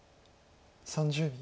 ３０秒。